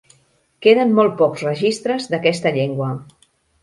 Queden molt pocs registres d'aquesta llengua.